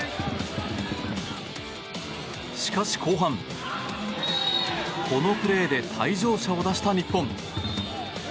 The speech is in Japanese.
しかし後半、このプレーで退場者を出した日本。